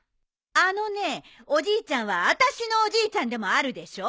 あのねえおじいちゃんはあたしのおじいちゃんでもあるでしょ！